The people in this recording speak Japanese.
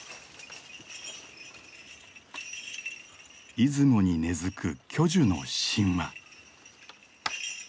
出雲に根づく巨樹の神話。